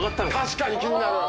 確かに気になる！